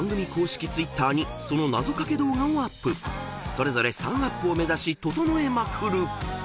［それぞれ３アップを目指し整えまくる］